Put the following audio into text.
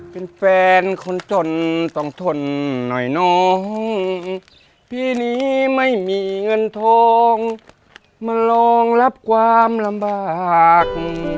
เป็นแฟนคนจนต้องทนหน่อยน้องปีนี้ไม่มีเงินทองมารองรับความลำบาก